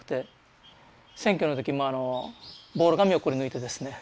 選挙の時もボール紙をくりぬいてですね